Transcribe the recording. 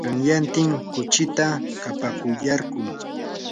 qanyantin kuchita kapakuyarquu.